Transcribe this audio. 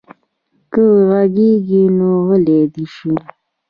که غږېږي نو غلی دې شي.